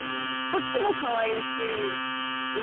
こっちもかわいいし。